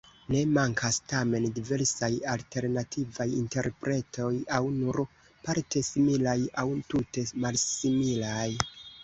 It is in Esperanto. Ne mankas tamen diversaj alternativaj interpretoj, aŭ nur parte similaj aŭ tute malsimilaj.